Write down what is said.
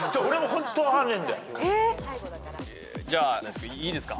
じゃあいいですか？